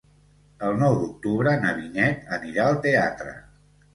El nou d'octubre na Vinyet anirà al teatre.